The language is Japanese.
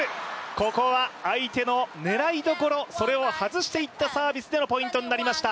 ここは、相手の狙いどころそれを外していったサービスでのポイントとなりました。